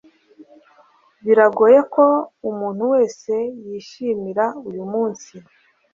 Biragoye ko umuntu wese yishimira uyu munsi